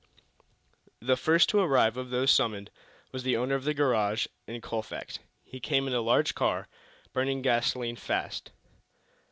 The first to arrive, of those summoned, was the owner of the garage in Colfax. He came in a large car, burning gasoline fast.